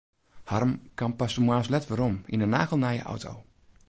Harm kaam pas de moarns let wer werom yn in nagelnije auto.